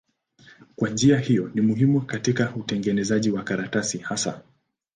Kwa njia hiyo ni muhimu katika utengenezaji wa karatasi hasa.